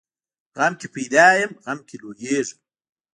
غم کې پیدا یم، غم کې لویېږم.